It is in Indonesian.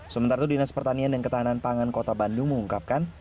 sementara itu dinas pertanian dan ketahanan pangan kota bandung mengungkapkan